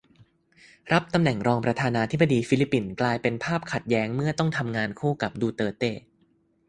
รับตำแหน่งรองประธานาธิบดีฟิลิปปินส์ กลายเป็นภาพขัดแย้งเมื่อต้องทำงานคู่กับ 'ดูเตอร์เต'